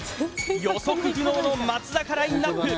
予測不能の松坂ラインナップ